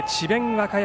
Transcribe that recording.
和歌山